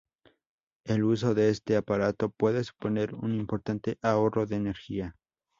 El uso de este aparato puede suponer un importante ahorro de energía.